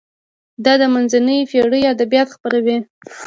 دا د منځنیو پیړیو ادبیات خپروي.